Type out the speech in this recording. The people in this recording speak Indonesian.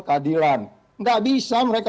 keadilan nggak bisa mereka